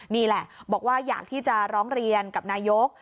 นี่แหละบอกว่าอยากที่จะร้องเรียนกับนายก